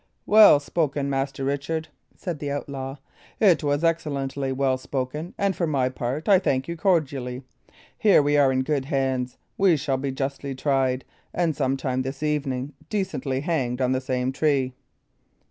"Well spoken, Master Richard," said the outlaw; "it was excellently well spoken, and, for my part, I thank you cordially. Here we are in good hands; we shall be justly tried, and, some time this evening, decently hanged on the same tree."